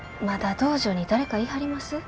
まだ道場に誰かいはります？